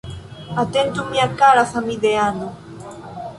Atentu mia kara samideano.